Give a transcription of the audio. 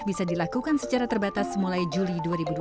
bisa dilakukan secara terbatas mulai juli dua ribu dua puluh